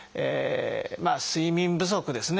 睡眠不足ですね